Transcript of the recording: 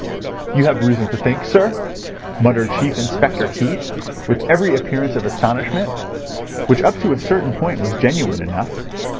"You have reason to think, sir?" muttered Chief Inspector Heat, with every appearance of astonishment, which up to a certain point was genuine enough.